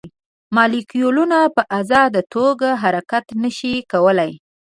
مالیکولونه په ازاده توګه حرکت نه شي کولی.